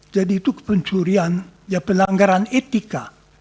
jadi itu kepencurian ya pelanggaran etika